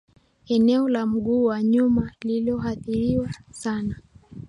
Eneo la mguu wa nyuma lililoathirika sana